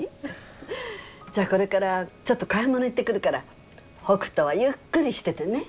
じゃあこれからちょっと買い物行ってくるから北斗はゆっくりしててね。